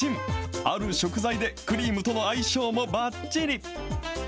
ある食材で、クリームとの相性もばっちり。